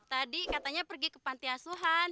tadi katanya pergi ke pantiasuhan